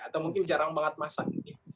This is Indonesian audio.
atau mungkin jarang banget masak gitu ya